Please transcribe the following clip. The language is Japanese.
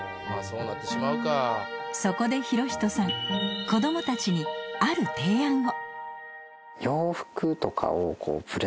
そこで裕仁さん子どもたちにある提案を。